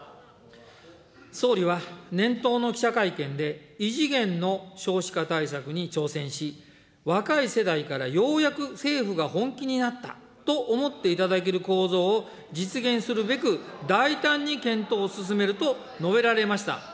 総理は年頭の記者会見で、異次元の少子化対策に挑戦し、若い世代からようやく政府が本気になったと思っていただける構造を実現するべく、大胆に検討を進めると述べられました。